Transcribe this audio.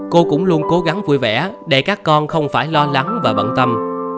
cô cũng luôn cố gắng vui vẻ để các con không phải lo lắng và bận tâm